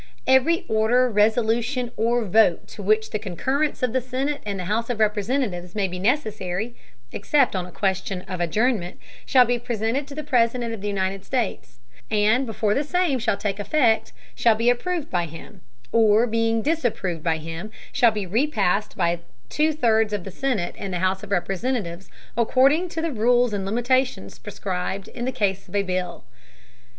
Every Order, Resolution, or Vote to which the Concurrence of the Senate and House of Representatives may be necessary (except on a question of Adjournment) shall be presented to the President of the United States; and before the Same shall take Effect, shall be approved by him, or being disapproved by him, shall be repassed by two thirds of the Senate and House of Representatives, according to the Rules and Limitations prescribed in the Case of a Bill.